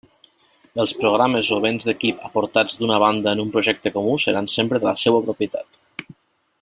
Els programes o béns d'equip aportats d'una banda en un projecte comú seran sempre de la seua propietat.